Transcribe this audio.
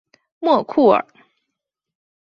莫库尔。